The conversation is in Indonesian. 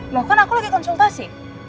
loh kan aku lagi konsultasi